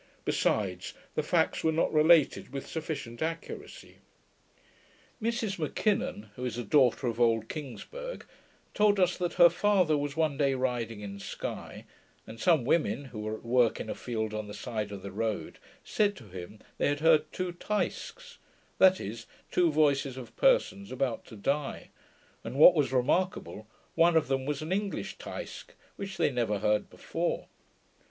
Besides, the facts were not related with sufficient accuracy. Mrs M'Kinnon, who is a daughter of old Kingsburgh, told us that her father was one day riding in Sky, and some women, who were at work in a field on the side of the road, said to him, they had heard two taiscks (that is, two voices of persons about to die), and what was remarkable, one of them was an ENGLISH taisck, which they never heard before.